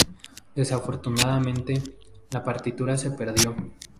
Desafortunadamente, la partitura se perdió.